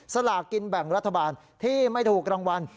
สลากกินแบ่งรัฐบาลที่ไม่ถูกรางวัล